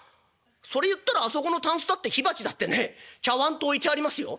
それ言ったらあそこのたんすだって火鉢だってねちゃわんと置いてありますよ。